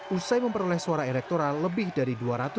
usai memperoleh suara electoral lebih dari dua ratus tujuh puluh